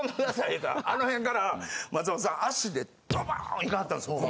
言うたらあのへんから松本さん足でドボーンいかはったんです。